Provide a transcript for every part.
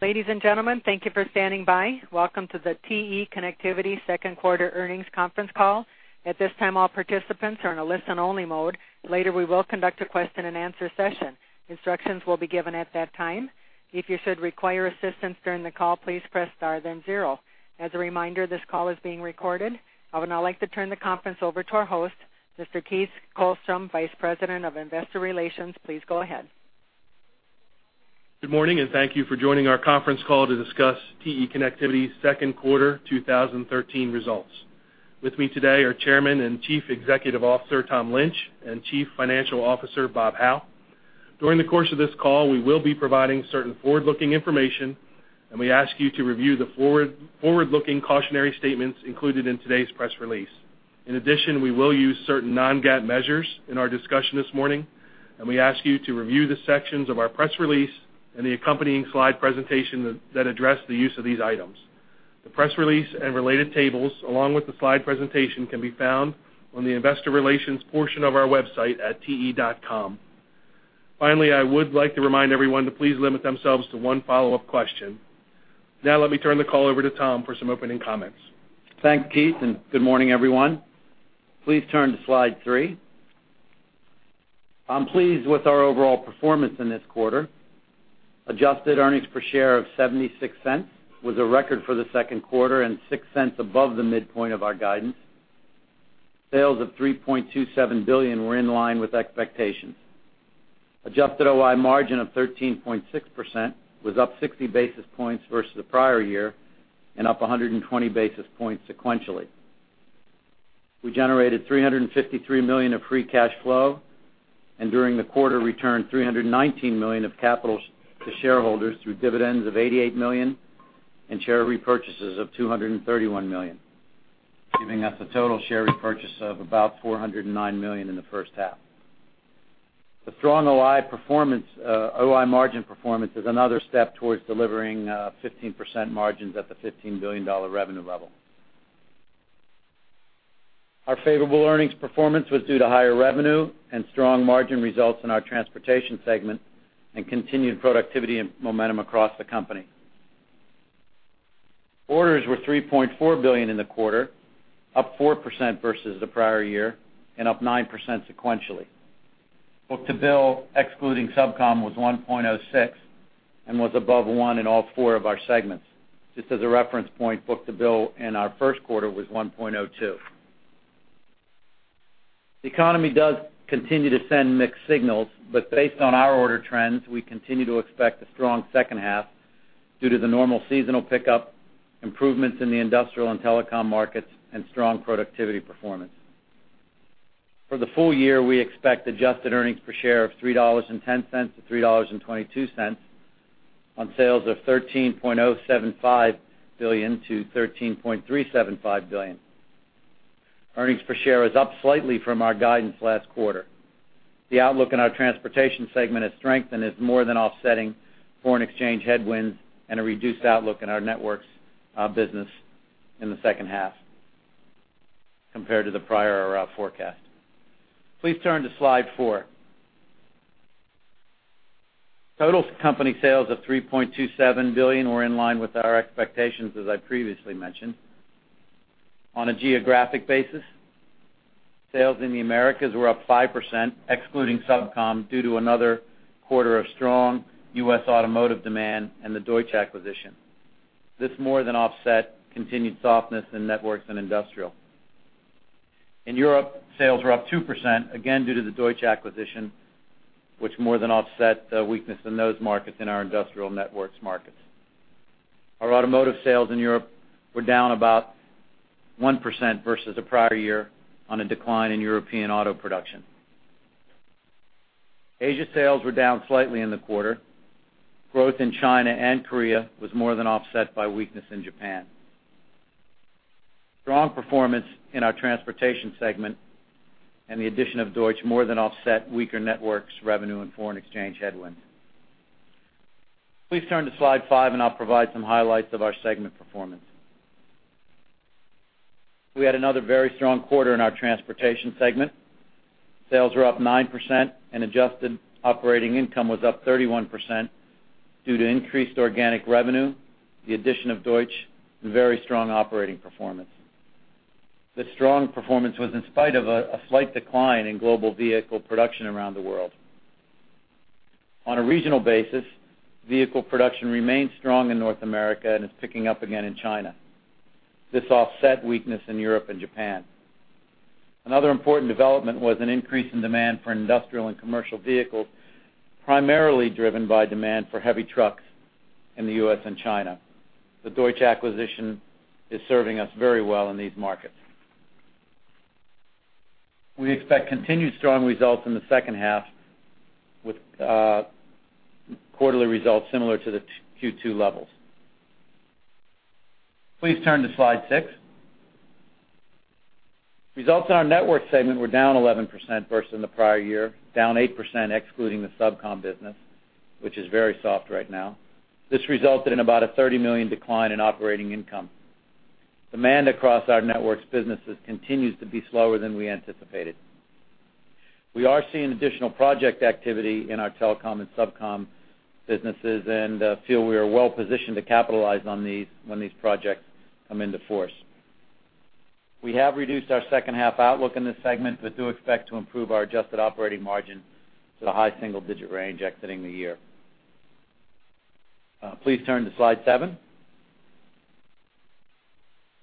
Ladies and gentlemen, thank you for standing by. Welcome to the TE Connectivity Q2 Earnings Conference Call. At this time, all participants are in a listen-only mode. Later, we will conduct a question-and-answer session. Instructions will be given at that time. If you should require assistance during the call, please press star then zero. As a reminder, this call is being recorded. I would now like to turn the conference over to our host, Mr. Keith Kolmstrom, Vice President of Investor Relations. Please go ahead. Good morning, and thank you for joining our conference call to discuss TE Connectivity's Q2 2013 results. With me today are Chairman and Chief Executive Officer, Tom Lynch, and Chief Financial Officer, Bob Hau. During the course of this call, we will be providing certain forward-looking information, and we ask you to review the forward-looking cautionary statements included in today's press release. In addition, we will use certain non-GAAP measures in our discussion this morning, and we ask you to review the sections of our press release and the accompanying slide presentation that address the use of these items. The press release and related tables, along with the slide presentation, can be found on the Investor Relations portion of our website at te.com. Finally, I would like to remind everyone to please limit themselves to one follow-up question. Now, let me turn the call over to Tom for some opening comments. Thanks, Keith, and good morning, everyone. Please turn to Slide 3. I'm pleased with our overall performance in this quarter. Adjusted Earnings Per Share of $0.76 was a record for the Q2 and $0.06 above the midpoint of our guidance. Sales of $3.27 billion were in line with expectations. Adjusted OI margin of 13.6% was up 60 basis points versus the prior year and up 120 basis points sequentially. We generated $353 million of Free Cash Flow, and during the quarter, returned $319 million of capital to shareholders through dividends of $88 million and share repurchases of $231 million, giving us a total share repurchase of about $409 million in the first half. The strong OI performance, OI margin performance is another step towards delivering 15% margins at the $15 billion revenue level. Our favorable earnings performance was due to higher revenue and strong margin results in our Transportation segment and continued productivity and momentum across the company. Orders were $3.4 billion in the quarter, up 4% versus the prior year and up 9% sequentially. Book-to-bill, excluding SubCom, was 1.06 and was above 1 in all 4 of our segments. Just as a reference point, book-to-bill in our Q1 was 1.02. The economy does continue to send mixed signals, but based on our order trends, we continue to expect a strong second half due to the normal seasonal pickup, improvements in the industrial and telecom markets, and strong productivity performance. For the full year, we expect adjusted earnings per share of $3.10-$3.22 on sales of $13.075 billion-$13.375 billion. Earnings per share is up slightly from our guidance last quarter. The outlook in our Transportation segment has strengthened and is more than offsetting foreign exchange headwinds and a reduced outlook in our Networks business in the second half compared to the prior forecast. Please turn to Slide 4. Total company sales of $3.27 billion were in line with our expectations, as I previously mentioned. On a geographic basis, sales in the Americas were up 5%, excluding SubCom, due to another quarter of strong U.S. automotive demand and the Deutsch acquisition. This more than offset continued softness in networks and industrial. In Europe, sales were up 2%, again, due to the Deutsch acquisition, which more than offset the weakness in those markets in our industrial networks markets. Our automotive sales in Europe were down about 1% versus the prior year on a decline in European auto production. Asia sales were down slightly in the quarter. Growth in China and Korea was more than offset by weakness in Japan. Strong performance in our Transportation segment and the addition of Deutsch more than offset weaker networks, revenue, and foreign exchange headwinds. Please turn to Slide 5, and I'll provide some highlights of our segment performance. We had another very strong quarter in our Transportation segment. Sales were up 9% and adjusted operating income was up 31% due to increased organic revenue, the addition of Deutsch, and very strong operating performance. This strong performance was in spite of a slight decline in global vehicle production around the world. On a regional basis, vehicle production remains strong in North America and is picking up again in China. This offset weakness in Europe and Japan. Another important development was an increase in demand for industrial and commercial vehicles, primarily driven by demand for heavy trucks in the U.S. and China. The Deutsch acquisition is serving us very well in these markets. We expect continued strong results in the second half, with quarterly results similar to the Q2 levels. Please turn to Slide 6. Results in our Network segment were down 11% versus in the prior year, down 8% excluding the SubCom business, which is very soft right now. This resulted in about a $30 million decline in operating income. Demand across our networks businesses continues to be slower than we anticipated. We are seeing additional project activity in our telecom and SubCom businesses, and feel we are well positioned to capitalize on these when these projects come into force. We have reduced our second half outlook in this segment, but do expect to improve our Adjusted Operating Margin to the high single digit range exiting the year. Please turn to slide 7.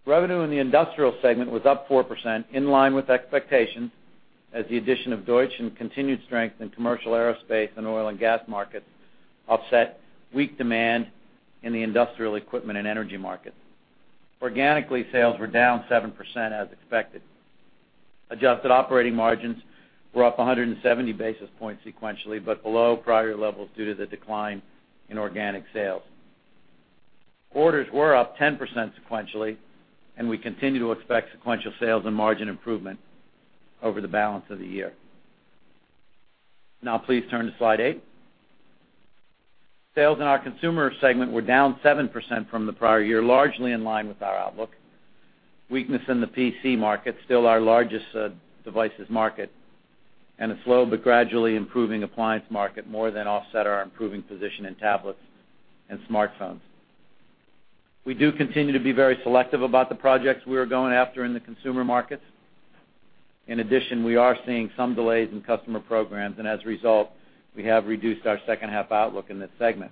Revenue in the industrial segment was up 4%, in line with expectations, as the addition of Deutsch and continued strength in commercial aerospace and oil and gas markets offset weak demand in the industrial equipment and energy market. Organically, sales were down 7%, as expected. Adjusted operating margins were up 100 basis points sequentially, but below prior levels due to the decline in organic sales. Orders were up 10% sequentially, and we continue to expect sequential sales and margin improvement over the balance of the year. Now, please turn to slide 8. Sales in our consumer segment were down 7% from the prior year, largely in line with our outlook. Weakness in the PC market, still our largest devices market, and a slow but gradually improving appliance market, more than offset our improving position in tablets and smartphones. We do continue to be very selective about the projects we are going after in the consumer markets. In addition, we are seeing some delays in customer programs, and as a result, we have reduced our second half outlook in this segment.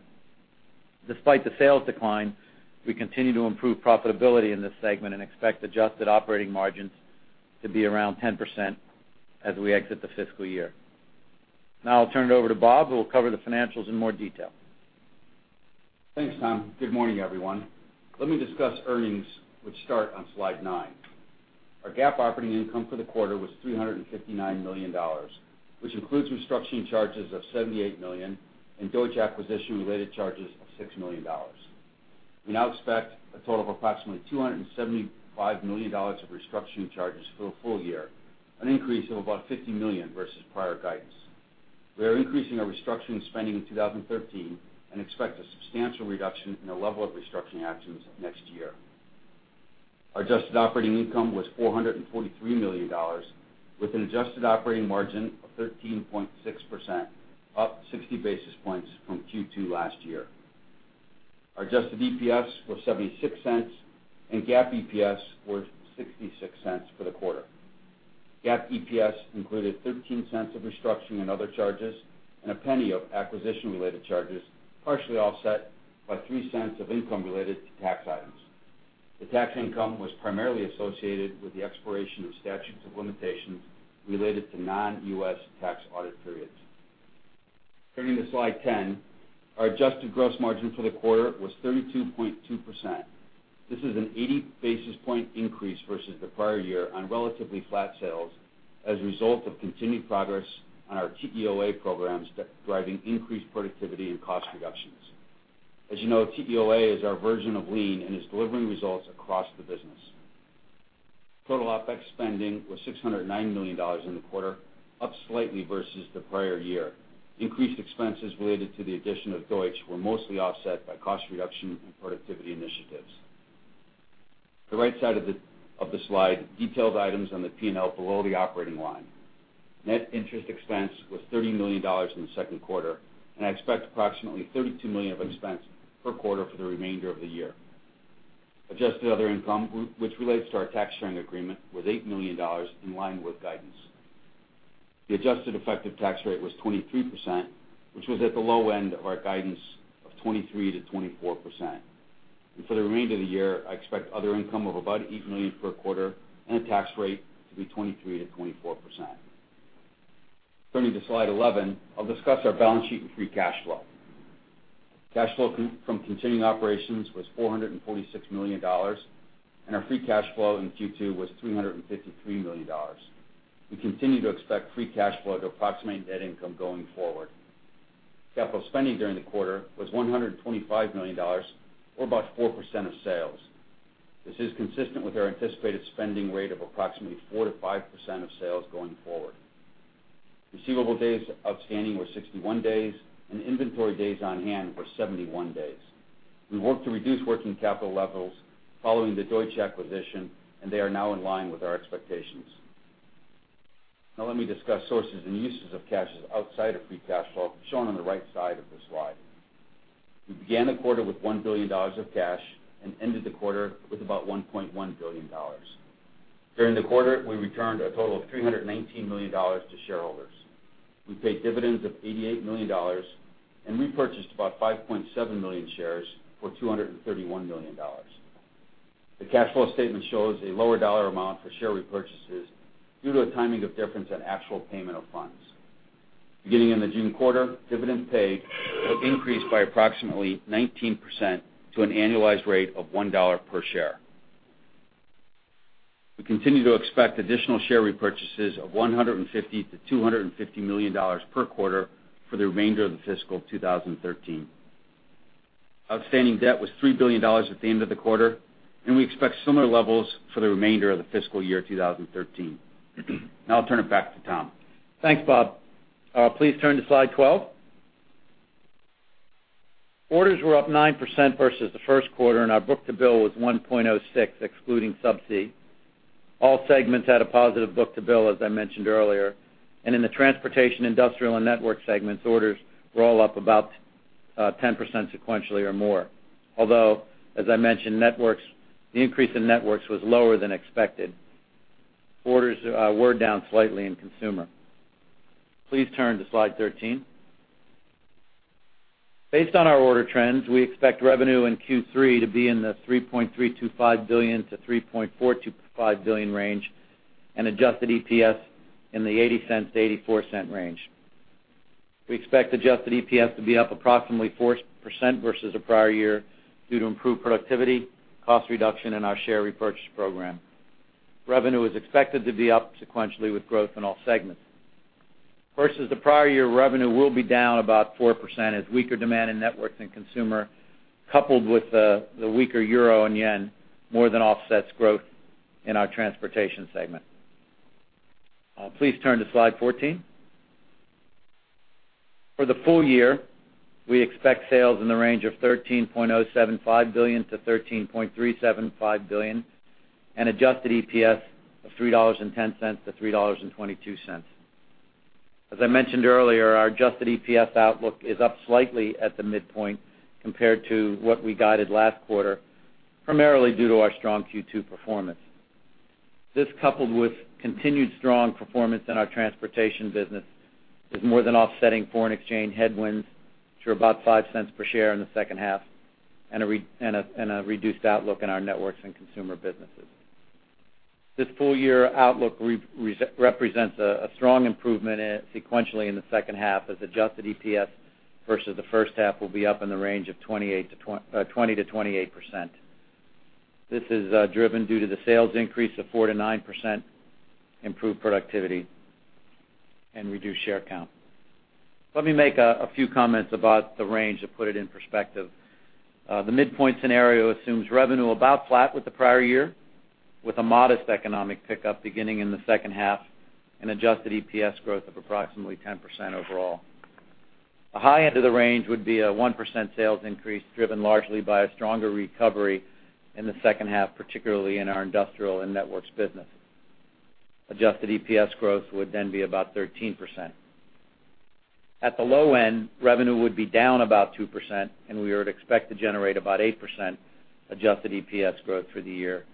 Despite the sales decline, we continue to improve profitability in this segment and expect adjusted operating margins to be around 10% as we exit the fiscal year. Now I'll turn it over to Bob, who will cover the financials in more detail. Thanks, Tom. Good morning, everyone. Let me discuss earnings, which start on slide 9. Our GAAP operating income for the quarter was $359 million, which includes restructuring charges of $78 million and Deutsch acquisition-related charges of $6 million. We now expect a total of approximately $275 million of restructuring charges for the full year, an increase of about $50 million versus prior guidance. We are increasing our restructuring spending in 2013 and expect a substantial reduction in the level of restructuring actions next year. Our adjusted operating income was $443 million, with an adjusted operating margin of 13.6%, up 60 basis points from Q2 last year. Our adjusted EPS was $0.76, and GAAP EPS was $0.66 for the quarter. GAAP EPS included $0.13 of restructuring and other charges, and $0.01 of acquisition-related charges, partially offset by $0.03 of income related to tax items. The tax income was primarily associated with the expiration of statutes of limitations related to non-U.S. tax audit periods. Turning to slide 10, our adjusted gross margin for the quarter was 32.2%. This is an 80 basis point increase versus the prior year on relatively flat sales as a result of continued progress on our TEOA programs, driving increased productivity and cost reductions. As you know, TEOA is our version of Lean and is delivering results across the business. Total OPEX spending was $609 million in the quarter, up slightly versus the prior year. Increased expenses related to the addition of Deutsch were mostly offset by cost reduction and productivity initiatives. The right side of the slide detailed items on the P&L below the operating line. Net interest expense was $30 million in the Q2, and I expect approximately $32 million of expense per quarter for the remainder of the year. Adjusted other income, which relates to our tax sharing agreement, was $8 million, in line with guidance. The adjusted effective tax rate was 23%, which was at the low end of our guidance of 23%-24%. And for the remainder of the year, I expect other income of about $8 million per quarter and a tax rate to be 23%-24%. Turning to slide 11, I'll discuss our balance sheet and free cash flow. Cash flow from continuing operations was $446 million, and our free cash flow in Q2 was $353 million. We continue to expect free cash flow to approximate net income going forward. Capital spending during the quarter was $125 million, or about 4% of sales. This is consistent with our anticipated spending rate of approximately 4%-5% of sales going forward. Receivable days outstanding were 61 days, and inventory days on hand were 71 days. We worked to reduce working capital levels following the Deutsch acquisition, and they are now in line with our expectations. Now let me discuss sources and uses of cash outside of free cash flow, shown on the right side of this slide. We began the quarter with $1 billion of cash and ended the quarter with about $1.1 billion. During the quarter, we returned a total of $319 million to shareholders. We paid dividends of $88 million and repurchased about 5.7 million shares for $231 million. The cash flow statement shows a lower dollar amount for share repurchases due to a timing of difference on actual payment of funds. Beginning in the June quarter, dividends paid have increased by approximately 19% to an annualized rate of $1 per share. We continue to expect additional share repurchases of $150 million-$250 million per quarter for the remainder of the FY2013. Outstanding debt was $3 billion at the end of the quarter, and we expect similar levels for the remainder of the FY2013. Now I'll turn it back to Tom. Thanks, Bob. Please turn to slide 12. Orders were up 9% versus the Q1, and our book-to-bill was 1.06, excluding subsea. All segments had a positive book-to-bill, as I mentioned earlier, and in the transportation, industrial, and network segments, orders were all up about 10% sequentially or more. Although, as I mentioned, networks, the increase in networks was lower than expected. Orders were down slightly in consumer. Please turn to slide 13. Based on our order trends, we expect revenue in Q3 to be in the $3.325 billion-$3.425 billion range, and adjusted EPS in the $0.80-$0.84 range. We expect adjusted EPS to be up approximately 4% versus the prior year, due to improved productivity, cost reduction, and our share repurchase program. Revenue is expected to be up sequentially with growth in all segments. Versus the prior year, revenue will be down about 4% as weaker demand in networks and consumer, coupled with the weaker euro and yen, more than offsets growth in our transportation segment. Please turn to Slide 14. For the full year, we expect sales in the range of $13.075 billion-$13.375 billion, and adjusted EPS of $3.10-$3.22. As I mentioned earlier, our adjusted EPS outlook is up slightly at the midpoint compared to what we guided last quarter, primarily due to our strong Q2 performance. This, coupled with continued strong performance in our transportation business, is more than offsetting foreign exchange headwinds to about $0.05 per share in the second half, and a reduced outlook in our networks and consumer businesses. This full year outlook represents a strong improvement sequentially in the second half, as adjusted EPS versus the first half will be up in the range of 20%-28%. This is driven due to the sales increase of 4%-9%, improved productivity, and reduced share count. Let me make a few comments about the range to put it in perspective. The midpoint scenario assumes revenue about flat with the prior year, with a modest economic pickup beginning in the second half and adjusted EPS growth of approximately 10% overall. The high end of the range would be a 1% sales increase, driven largely by a stronger recovery in the second half, particularly in our industrial and networks business. Adjusted EPS growth would then be about 13%. At the low end, revenue would be down about 2%, and we would expect to generate about 8% adjusted EPS growth for the year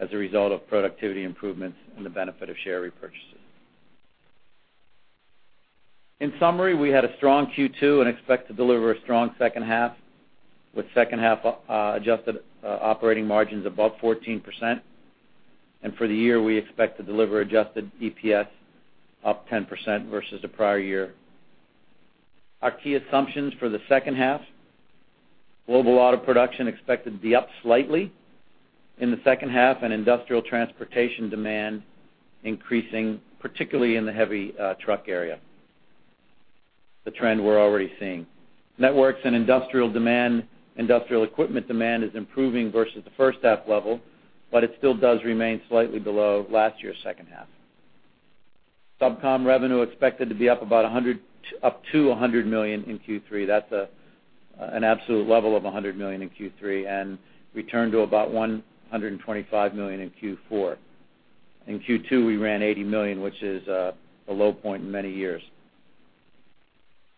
as a result of productivity improvements and the benefit of share repurchases. In summary, we had a strong Q2 and expect to deliver a strong second half, with second half adjusted operating margins above 14%. And for the year, we expect to deliver adjusted EPS up 10% versus the prior year. Our key assumptions for the second half: global auto production expected to be up slightly in the second half, and industrial transportation demand increasing, particularly in the heavy truck area, the trend we're already seeing. Networks and industrial demand, industrial equipment demand, is improving versus the first half level, but it still does remain slightly below last year's second half. SubCom revenue expected to be up about $100 million, up to $100 million in Q3. That's an absolute level of $100 million in Q3, and return to about $125 million in Q4. In Q2, we ran $80 million, which is a low point in many years.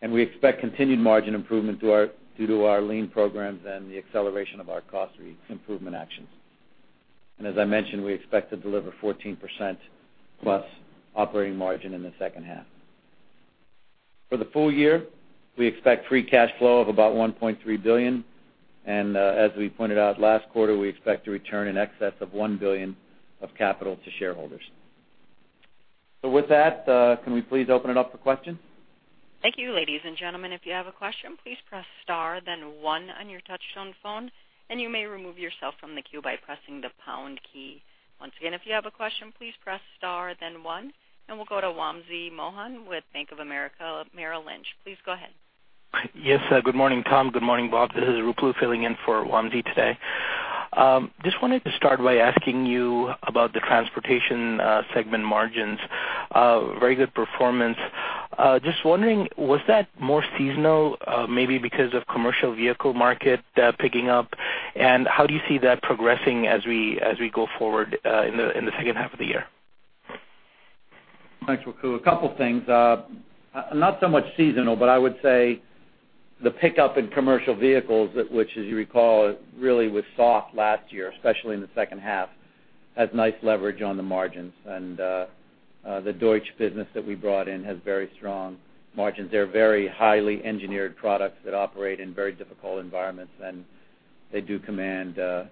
We expect continued margin improvement due to our Lean programs and the acceleration of our cost improvement actions. As I mentioned, we expect to deliver 14%+ operating margin in the second half. For the full year, we expect free cash flow of about $1.3 billion, and, as we pointed out last quarter, we expect to return in excess of $1 billion of capital to shareholders. So with that, can we please open it up for questions? Thank you, ladies and gentlemen. If you have a question, please press star, then one on your touchtone phone, and you may remove yourself from the queue by pressing the pound key. Once again, if you have a question, please press star, then one, and we'll go to Wamsi Mohan with Bank of America Merrill Lynch. Please go ahead. Yes, good morning, Tom. Good morning, Bob. This is Ruplu filling in for Wamsi today. Just wanted to start by asking you about the transportation segment margins. Very good performance. Just wondering, was that more seasonal, maybe because of commercial vehicle market picking up? And how do you see that progressing as we go forward in the second half of the year? Thanks, Ruplu. A couple things. Not so much seasonal, but I would say the pickup in commercial vehicles, which, as you recall, really was soft last year, especially in the second half, has nice leverage on the margins. And, the Deutsch business that we brought in has very strong margins. They're very highly engineered products that operate in very difficult environments, and they do command, a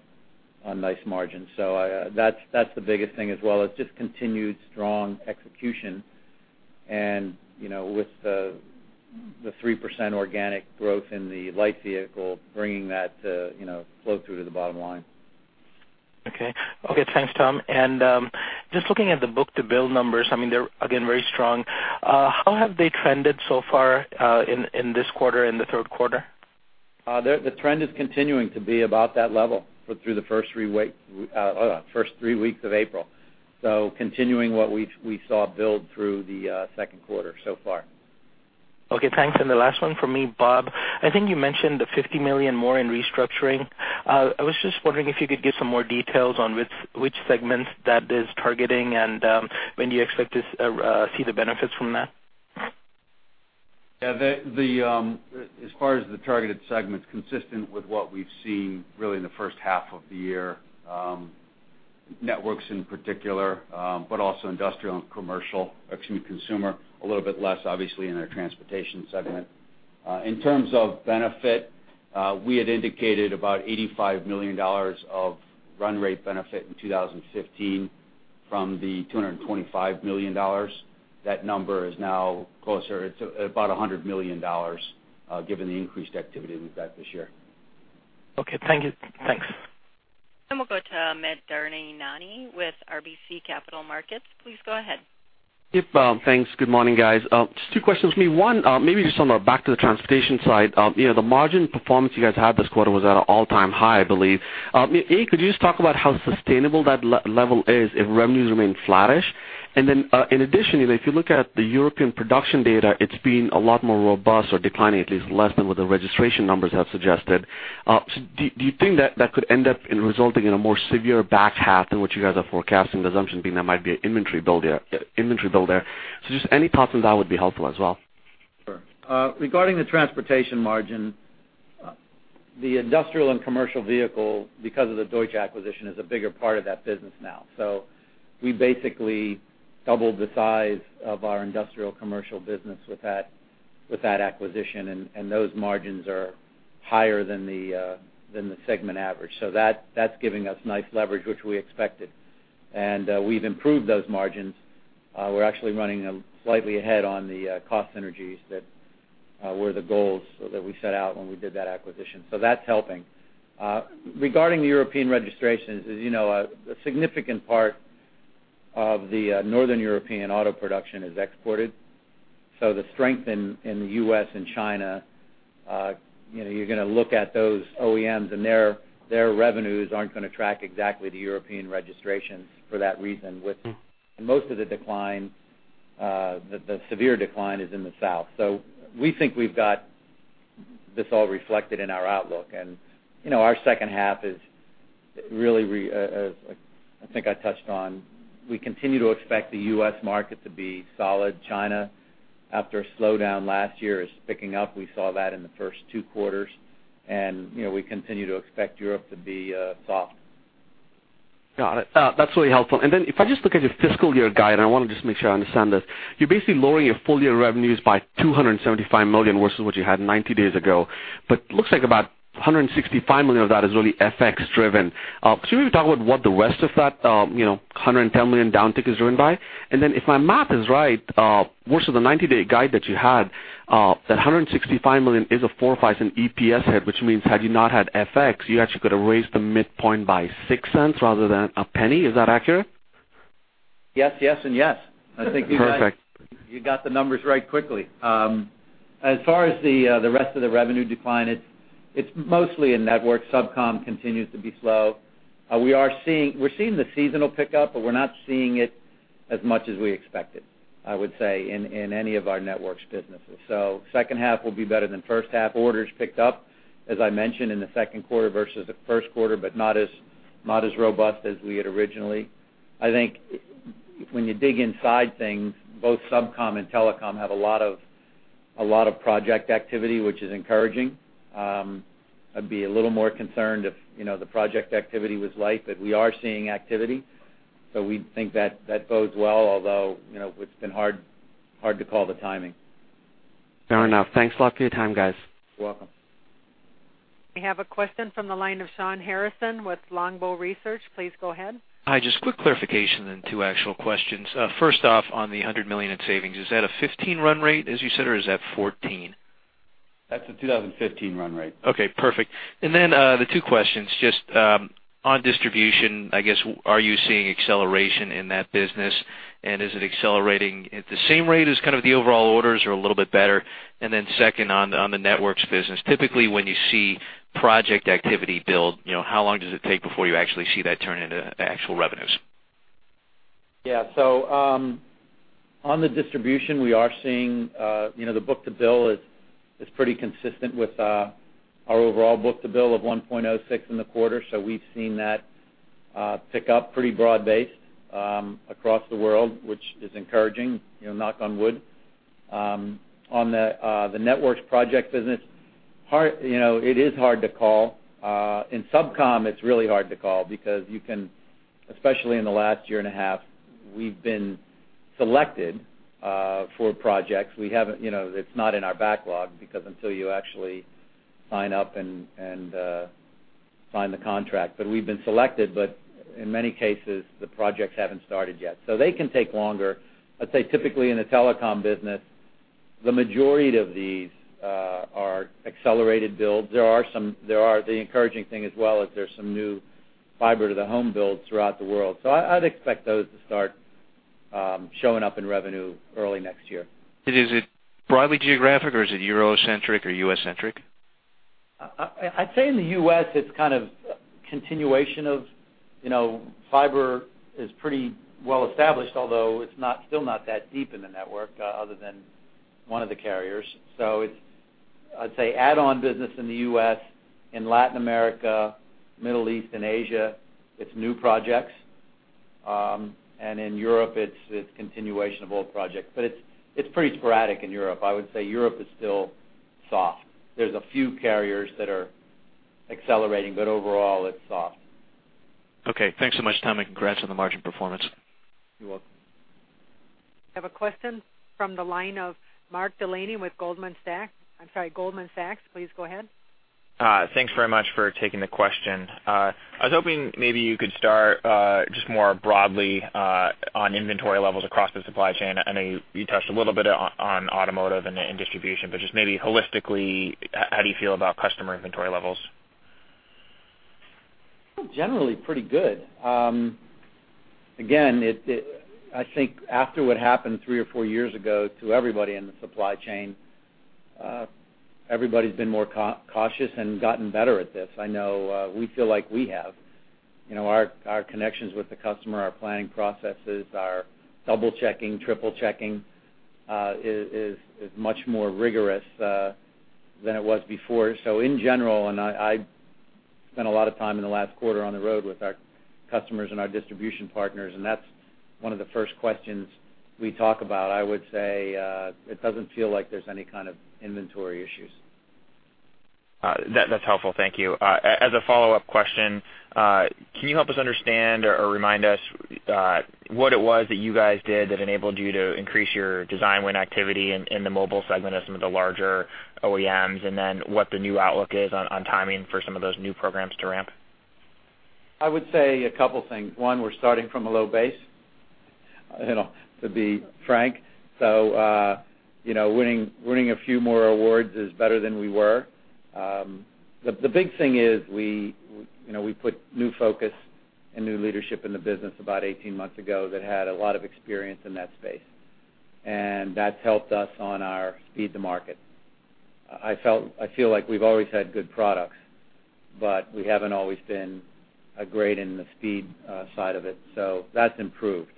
nice margin. So, that's, that's the biggest thing as well. It's just continued strong execution and, you know, with the, the 3% organic growth in the light vehicle, bringing that to, you know, flow through to the bottom line. Okay. Okay, thanks, Tom. And just looking at the book-to-bill numbers, I mean, they're again very strong. How have they trended so far in this quarter, in the Q3? The trend is continuing to be about that level through the first three weeks of April. So continuing what we saw build through the Q2 so far. Okay, thanks. And the last one from me, Bob, I think you mentioned the $50 million more in restructuring. I was just wondering if you could give some more details on which segments that is targeting and when do you expect to see the benefits from that? Yeah, the, as far as the targeted segments, consistent with what we've seen really in the first half of the year, networks in particular, but also industrial and commercial, excuse me, consumer, a little bit less, obviously, in our transportation segment. In terms of benefit, we had indicated about $85 million of run rate benefit in 2015 from the $225 million. That number is now closer- it's about $100 million, given the increased activity we've got this year. Okay. Thank you. Thanks. We'll go to Amit Daryanani with RBC Capital Markets. Please go ahead. Yep, thanks. Good morning, guys. Just two questions for me. One, maybe just on back to the transportation side. You know, the margin performance you guys had this quarter was at an all-time high, I believe. A, could you just talk about how sustainable that level is if revenues remain flattish? And then, in addition, you know, if you look at the European production data, it's been a lot more robust or declining, at least less than what the registration numbers have suggested. So do you think that could end up resulting in a more severe back half than what you guys are forecasting, the assumption being there might be an inventory build there? Just any thoughts on that would be helpful as well. Sure. Regarding the transportation margin, the industrial and commercial vehicle, because of the Deutsch acquisition, is a bigger part of that business now. So we basically doubled the size of our industrial commercial business with that, with that acquisition, and those margins are higher than the segment average. So that's giving us nice leverage, which we expected. And we've improved those margins. We're actually running slightly ahead on the cost synergies that were the goals so that we set out when we did that acquisition. So that's helping. Regarding the European registrations, as you know, a significant part of the Northern European auto production is exported. So the strength in the U.S. and China, you know, you're gonna look at those OEMs and their revenues aren't gonna track exactly the European registrations for that reason, with- Mm-hmm. Most of the decline, the severe decline is in the south. So we think we've got this all reflected in our outlook. And, you know, our second half is really, I think I touched on, we continue to expect the U.S. market to be solid. China, after a slowdown last year, is picking up. We saw that in the first two quarters, and, you know, we continue to expect Europe to be soft. Got it. That's really helpful. And then if I just look at your fiscal year guide, I want to just make sure I understand this. You're basically lowering your full year revenues by $275 million, versus what you had 90 days ago, but looks like about $165 million of that is really FX driven. Can you talk about what the rest of that, you know, $110 million downtick is driven by? And then, if my math is right, versus the 90-day guide that you had, that $165 million is a $0.04-$0.05 EPS hit, which means had you not had FX, you actually could have raised the midpoint by $0.06 rather than $0.01. Is that accurate? Yes, yes, and yes. Perfect. I think you got the numbers right quickly. As far as the rest of the revenue decline, it's mostly in networks. SubCom continues to be slow. We're seeing the seasonal pickup, but we're not seeing it as much as we expected, I would say, in any of our networks businesses. So second half will be better than first half. Orders picked up, as I mentioned, in the Q2 versus the Q1, but not as robust as we had originally. I think when you dig inside things, both SubCom and Telecom have a lot of project activity, which is encouraging. I'd be a little more concerned if, you know, the project activity was light, but we are seeing activity, so we think that bodes well, although, you know, it's been hard to call the timing. Fair enough. Thanks a lot for your time, guys. You're welcome. We have a question from the line of Shawn Harrison with Longbow Research. Please go ahead. Hi, just quick clarification and two actual questions. First off, on the $100 million in savings, is that a 2015 run rate, as you said, or is that 2014? That's a 2015 run rate. Okay, perfect. And then, the two questions, just, on distribution, I guess, are you seeing acceleration in that business? And is it accelerating at the same rate as kind of the overall orders or a little bit better? And then second, on the, on the networks business, typically when you see project activity build, you know, how long does it take before you actually see that turn into actual revenues? Yeah. So, on the distribution, we are seeing, you know, the book-to-bill is pretty consistent with our overall book-to-bill of 1.06 in the quarter. So we've seen that pick up pretty broad-based across the world, which is encouraging, you know, knock on wood. On the networks project business, hard, you know, it is hard to call. In SubCom, it's really hard to call because you can, especially in the last year and a half, we've been selected for projects. We haven't, you know, it's not in our backlog because until you actually sign up and sign the contract. But we've been selected, but in many cases, the projects haven't started yet. So they can take longer. I'd say typically in the telecom business, the majority of these are accelerated builds. The encouraging thing as well is there's some new fiber to the home builds throughout the world. So I'd expect those to start showing up in revenue early next year. Is it broadly geographic, or is it Eurocentric or U.S.-centric?... I'd say in the U.S., it's kind of continuation of, you know, fiber is pretty well established, although it's still not that deep in the network, other than one of the carriers. So it's, I'd say, add-on business in the U.S., in Latin America, Middle East, and Asia, it's new projects. And in Europe, it's continuation of old projects, but it's pretty sporadic in Europe. I would say Europe is still soft. There's a few carriers that are accelerating, but overall, it's soft. Okay, thanks so much, Tom, and congrats on the margin performance. You're welcome. I have a question from the line of Mark Delaney with Goldman Sachs. I'm sorry, Goldman Sachs. Please go ahead. Thanks very much for taking the question. I was hoping maybe you could start just more broadly on inventory levels across the supply chain. I know you touched a little bit on automotive and distribution, but just maybe holistically, how do you feel about customer inventory levels? Generally, pretty good. Again, I think after what happened 3 or 4 years ago to everybody in the supply chain, everybody's been more cautious and gotten better at this. I know, we feel like we have. You know, our connections with the customer, our planning processes, our double-checking, triple-checking, is much more rigorous than it was before. So in general, I spent a lot of time in the last quarter on the road with our customers and our distribution partners, and that's one of the first questions we talk about. I would say, it doesn't feel like there's any kind of inventory issues. That's helpful. Thank you. As a follow-up question, can you help us understand or remind us what it was that you guys did that enabled you to increase your design win activity in the mobile segment of some of the larger OEMs, and then what the new outlook is on timing for some of those new programs to ramp? I would say a couple things. One, we're starting from a low base, you know, to be frank. So, you know, winning a few more awards is better than we were. The big thing is we, you know, we put new focus and new leadership in the business about 18 months ago that had a lot of experience in that space, and that's helped us on our speed to market. I felt, I feel like we've always had good products, but we haven't always been great in the speed side of it, so that's improved.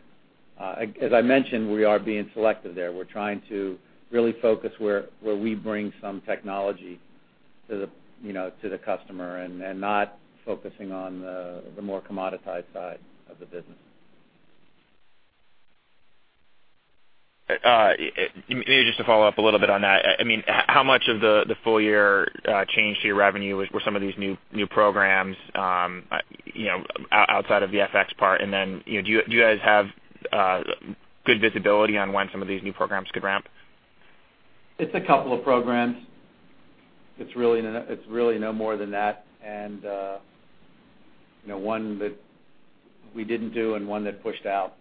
As I mentioned, we are being selective there. We're trying to really focus where we bring some technology to the, you know, to the customer and not focusing on the more commoditized side of the business. Maybe just to follow up a little bit on that. I mean, how much of the full year change to your revenue were some of these new programs, you know, outside of the FX part? And then, you know, do you guys have good visibility on when some of these new programs could ramp? It's a couple of programs. It's really no, it's really no more than that, and, you know, one that we didn't do and one that pushed out.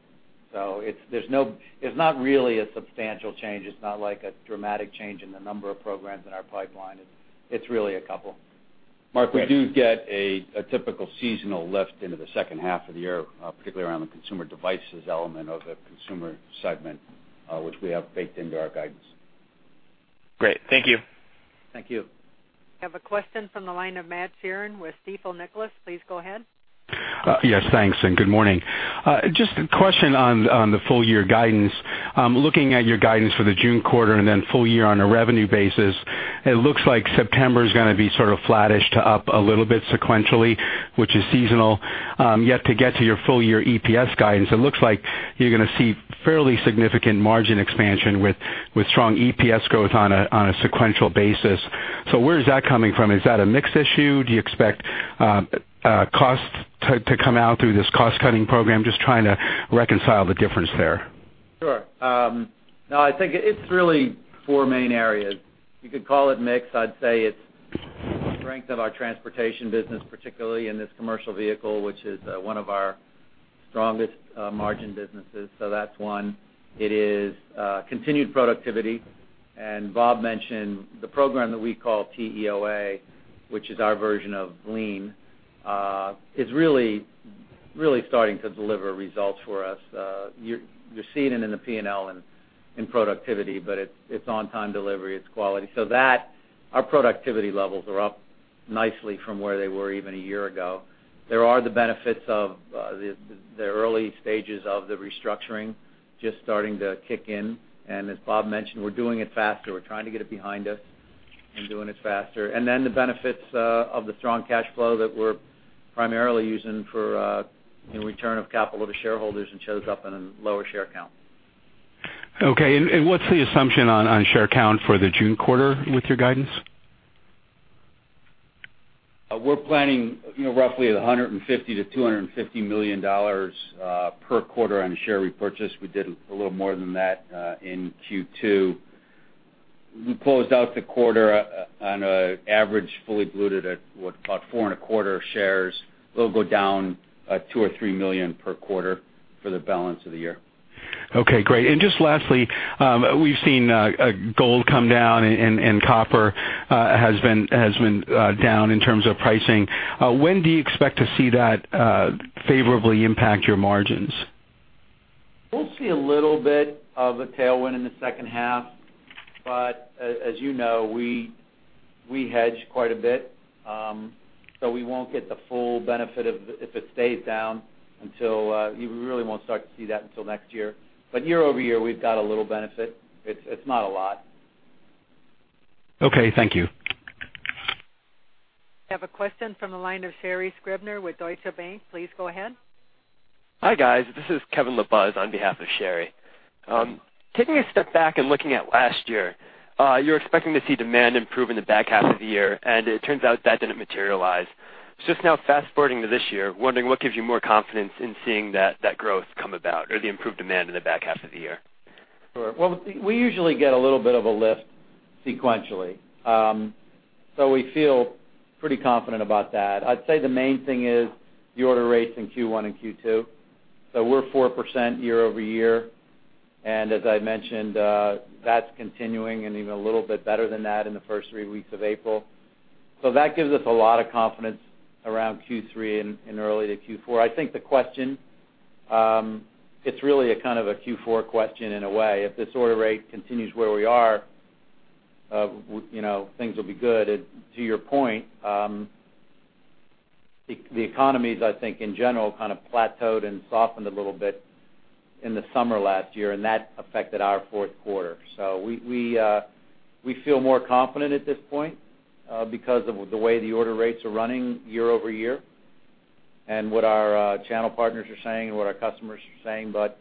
So it's-- there's no... It's not really a substantial change. It's not like a dramatic change in the number of programs in our pipeline. It's, it's really a couple. Mark, we do get a typical seasonal lift into the second half of the year, particularly around the consumer devices element of the consumer segment, which we have baked into our guidance. Great. Thank you. Thank you. I have a question from the line of Matt Sheerin with Stifel Nicolaus. Please go ahead. Yes, thanks, and good morning. Just a question on the full year guidance. Looking at your guidance for the June quarter and then full year on a revenue basis, it looks like September is gonna be sort of flattish to up a little bit sequentially, which is seasonal. Yet to get to your full year EPS guidance, it looks like you're gonna see fairly significant margin expansion with strong EPS growth on a sequential basis. So where is that coming from? Is that a mix issue? Do you expect costs to come out through this cost-cutting program? Just trying to reconcile the difference there. Sure. No, I think it's really four main areas. You could call it mix. I'd say it's the strength of our transportation business, particularly in this commercial vehicle, which is one of our strongest margin businesses. So that's one. It is continued productivity, and Bob mentioned the program that we call TEOA, which is our version of Lean, is really, really starting to deliver results for us. You're seeing it in the P&L and in productivity, but it's on-time delivery, it's quality. So that, our productivity levels are up nicely from where they were even a year ago. There are the benefits of the early stages of the restructuring just starting to kick in, and as Bob mentioned, we're doing it faster. We're trying to get it behind us and doing it faster. And then the benefits of the strong cash flow that we're primarily using for, you know, return of capital to shareholders and shows up in a lower share count. Okay, and what's the assumption on share count for the June quarter with your guidance? We're planning, you know, roughly $150-$250 million per quarter on share repurchase. We did a little more than that in Q2. We closed out the quarter on an average, fully diluted at, what? About 4.25 shares. It'll go down 2 or 3 million per quarter for the balance of the year. Okay, great. And just lastly, we've seen gold come down and copper has been down in terms of pricing. When do you expect to see that favorably impact your margins?... We'll see a little bit of a tailwind in the second half, but as you know, we hedge quite a bit, so we won't get the full benefit of if it stays down until you really won't start to see that until next year. But year over year, we've got a little benefit. It's not a lot. Okay, thank you. We have a question from the line of Sherri Scribner with Deutsche Bank. Please go ahead. Hi, guys. This is Kevin LaBuz on behalf of Sherri. Taking a step back and looking at last year, you're expecting to see demand improve in the back half of the year, and it turns out that didn't materialize. Just now, fast-forwarding to this year, wondering what gives you more confidence in seeing that, that growth come about or the improved demand in the back half of the year? Sure. Well, we usually get a little bit of a lift sequentially. So we feel pretty confident about that. I'd say the main thing is the order rates in Q1 and Q2. So we're 4% year-over-year, and as I mentioned, that's continuing and even a little bit better than that in the first three weeks of April. So that gives us a lot of confidence around Q3 and early to Q4. I think the question, it's really a kind of a Q4 question in a way. If this order rate continues where we are, you know, things will be good. And to your point, the economies, I think in general, kind of plateaued and softened a little bit in the summer last year, and that affected our Q4. So we feel more confident at this point because of the way the order rates are running year-over-year and what our channel partners are saying and what our customers are saying. But,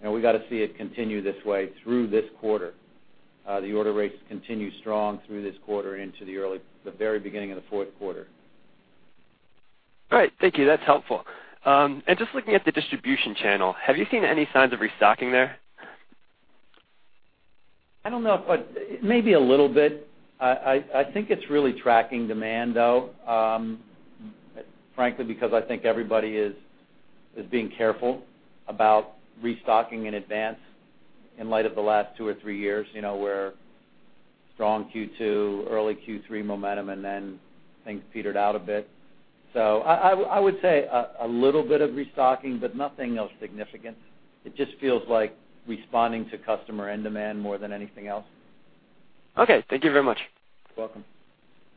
you know, we got to see it continue this way through this quarter. The order rates continue strong through this quarter into the very beginning of the Q4. All right. Thank you. That's helpful. Just looking at the distribution channel, have you seen any signs of restocking there? I don't know, but maybe a little bit. I think it's really tracking demand, though, frankly, because I think everybody is being careful about restocking in advance in light of the last two or three years, you know, where strong Q2, early Q3 momentum, and then things petered out a bit. So I would say a little bit of restocking, but nothing of significance. It just feels like responding to customer end demand more than anything else. Okay, thank you very much. Welcome.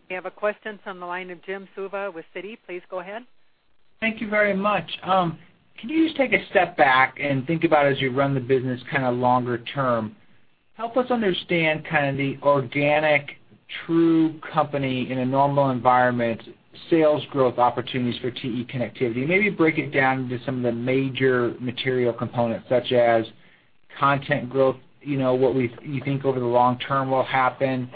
We have a question from the line of Jim Suva with Citi. Please go ahead. Thank you very much. Can you just take a step back and think about as you run the business kind of longer term? Help us understand kind of the organic, true company in a normal environment, sales growth opportunities for TE Connectivity. Maybe break it down into some of the major material components, such as content growth, you know, what you think over the long term will happen,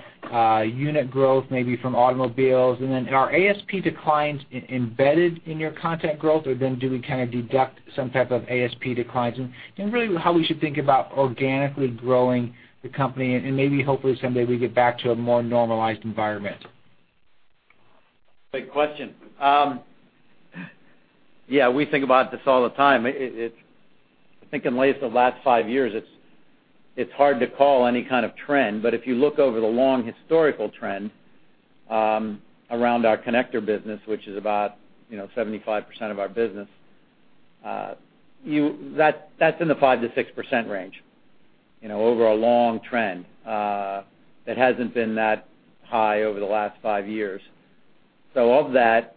unit growth, maybe from automobiles, and then are ASP declines embedded in your content growth, or then do we kind of deduct some type of ASP declines? And really, how we should think about organically growing the company and maybe hopefully someday we get back to a more normalized environment. Great question. Yeah, we think about this all the time. It, I think in at least the last five years, it's hard to call any kind of trend, but if you look over the long historical trend, around our connector business, which is about, you know, 75% of our business, you know, that's in the 5%-6% range, you know, over a long trend. It hasn't been that high over the last five years. So of that,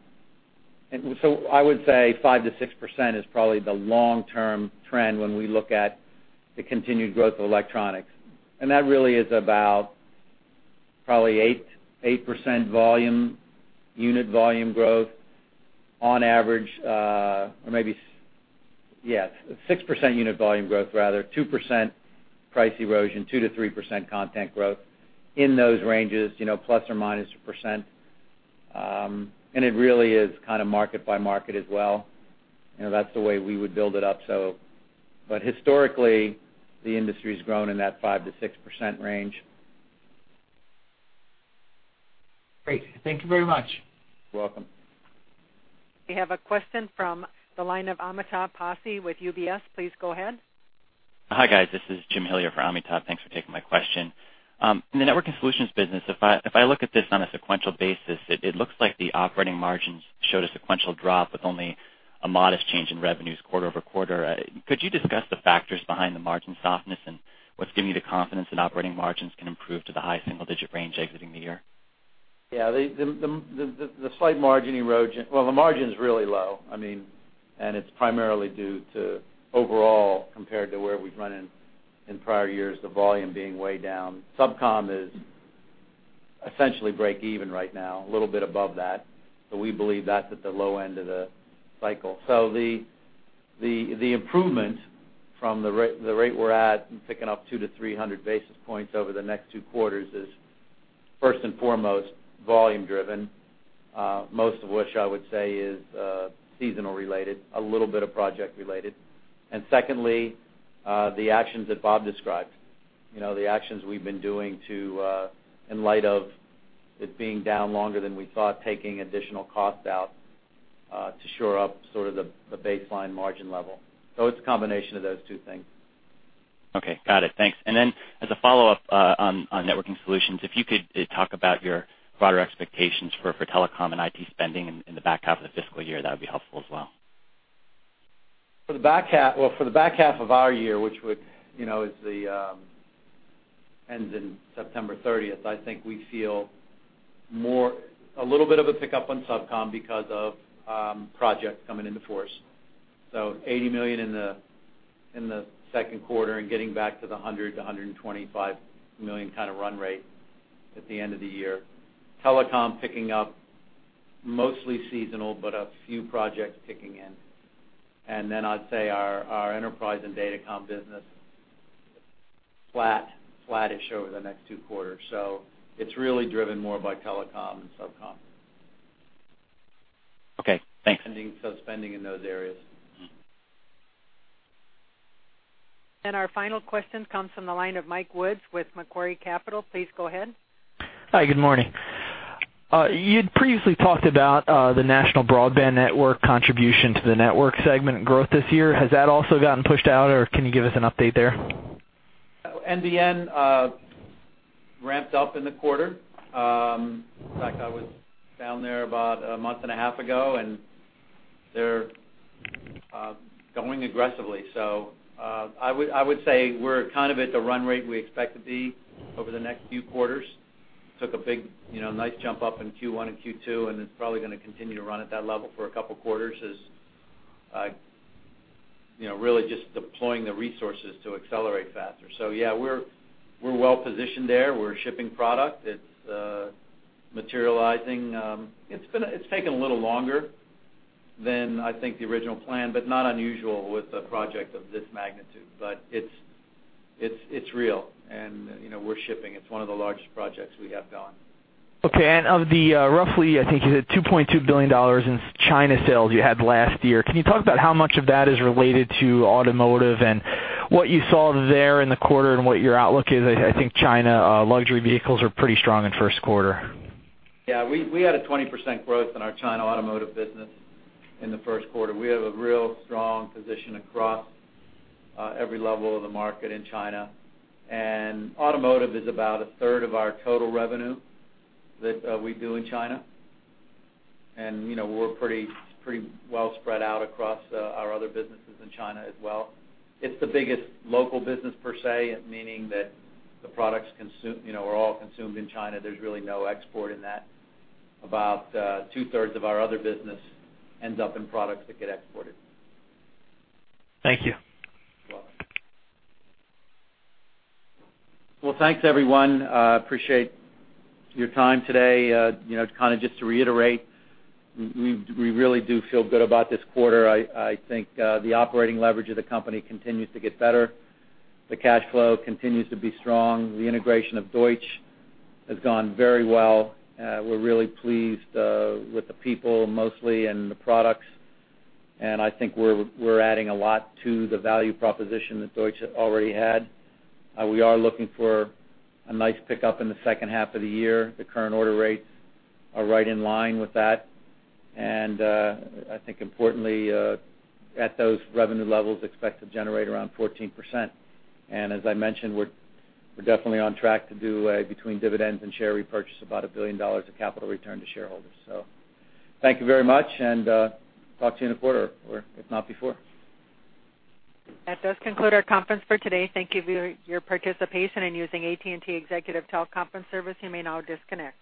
and so I would say 5%-6% is probably the long-term trend when we look at the continued growth of electronics. That really is about probably 8, 8% volume, unit volume growth on average, or maybe, yeah, 6% unit volume growth, rather, 2% price erosion, 2%-3% content growth in those ranges, you know, ±1%. It really is kind of market by market as well. You know, that's the way we would build it up, so. Historically, the industry's grown in that 5%-6% range. Great. Thank you very much. You're welcome. We have a question from the line of Amitabh Passi with UBS. Please go ahead. Hi, guys. This is Jim Hillier for Amitabh. Thanks for taking my question. In the Network & Solutions business, if I look at this on a sequential basis, it looks like the operating margins showed a sequential drop with only a modest change in revenues quarter-over-quarter. Could you discuss the factors behind the margin softness and what's giving you the confidence that operating margins can improve to the high single-digit range exiting the year? Yeah, the slight margin erosion. Well, the margin is really low. I mean, and it's primarily due to overall, compared to where we've run in prior years, the volume being way down. SubCom is essentially break even right now, a little bit above that, but we believe that's at the low end of the cycle. So the improvement from the rate we're at in picking up 200-300 basis points over the next two quarters is, first and foremost, volume-driven, most of which I would say is seasonal-related, a little bit of project-related. And secondly, the actions that Bob described, you know, the actions we've been doing to, in light of it being down longer than we thought, taking additional costs out, to shore up sort of the baseline margin level. It's a combination of those two things.... Okay, got it. Thanks. And then as a follow-up, on networking solutions, if you could talk about your broader expectations for telecom and IT spending in the back half of the fiscal year, that would be helpful as well. For the back half, well, for the back half of our year, which would, you know, is the, ends in September thirtieth, I think we feel more, a little bit of a pickup on SubCom because of, projects coming into force. So $80 million in the, in the Q2 and getting back to the $100 million-$125 million kind of run rate at the end of the year. Telecom picking up, mostly seasonal, but a few projects kicking in. And then I'd say our, our enterprise and Datacom business, flat, flattish over the next two quarters. So it's really driven more by Telecom and SubCom. Okay, thanks. Pending, so spending in those areas. Our final question comes from the line of Mike Woods with Macquarie Capital. Please go ahead. Hi, good morning. You'd previously talked about the national broadband network contribution to the network segment growth this year. Has that also gotten pushed out, or can you give us an update there? NBN ramped up in the quarter. In fact, I was down there about a month and a half ago, and they're going aggressively. So, I would say we're kind of at the run rate we expect to be over the next few quarters. Took a big, you know, nice jump up in Q1 and Q2, and it's probably gonna continue to run at that level for a couple of quarters as, you know, really just deploying the resources to accelerate faster. So yeah, we're well positioned there. We're shipping product. It's materializing. It's been a-- it's taken a little longer than I think the original plan, but not unusual with a project of this magnitude. But it's real, and, you know, we're shipping. It's one of the largest projects we have going. Okay. Of the roughly, I think you said $2.2 billion in China sales you had last year, can you talk about how much of that is related to automotive and what you saw there in the quarter and what your outlook is? I think China luxury vehicles are pretty strong in Q1. Yeah, we had a 20% growth in our China automotive business in the Q1. We have a real strong position across every level of the market in China, and automotive is about a third of our total revenue that we do in China. And, you know, we're pretty well spread out across our other businesses in China as well. It's the biggest local business per se, meaning that the products you know, are all consumed in China. There's really no export in that. About two-thirds of our other business ends up in products that get exported. Thank you. You're welcome. Well, thanks, everyone. Appreciate your time today. You know, kind of just to reiterate, we really do feel good about this quarter. I think the operating leverage of the company continues to get better. The cash flow continues to be strong. The integration of Deutsch has gone very well. We're really pleased with the people, mostly, and the products, and I think we're adding a lot to the value proposition that Deutsch already had. We are looking for a nice pickup in the second half of the year. The current order rates are right in line with that, and I think importantly, at those revenue levels, expect to generate around 14%. As I mentioned, we're definitely on track to do between dividends and share repurchase, about $1 billion of capital return to shareholders. So thank you very much, and talk to you in a quarter or, if not, before. That does conclude our conference for today. Thank you for your participation in using AT&T Executive Teleconference Service. You may now disconnect.